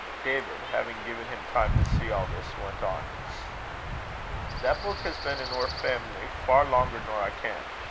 David, having given him time to see all this, went on: "That buik has been in oor family far langer nor I ken.